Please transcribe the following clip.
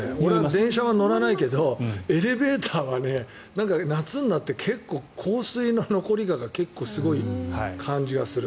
電車は乗らないけどエレベーターは夏になって結構、香水の残り香が結構すごい感じがする。